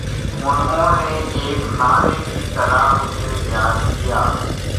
انہوں نے ایک نعرے کی طرح اسے بیان کیا